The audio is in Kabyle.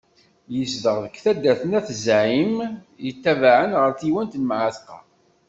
Yezdeɣ deg taddart n At Zεim, yetabaεen ɣer tɣiwant n Mεatqa.